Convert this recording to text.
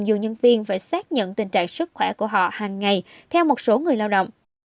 dù nhân viên phải xác nhận tình trạng sức khỏe của họ hàng ngày theo một số người lao động